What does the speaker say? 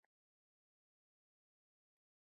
ازادي راډیو د د بیان آزادي په اړه د عبرت کیسې خبر کړي.